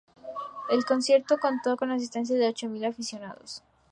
El concierto contó con la asistencia de ocho mil aficionados.